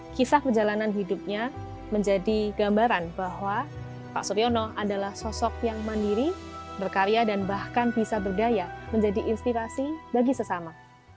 kisah perjalanan hidupnya menjadi gambaran bahwa pak suryono adalah sosok yang mandiri berkarya dan bahkan bisa berdaya menjadi inspirasi bagi sesama